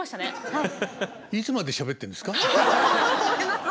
はい。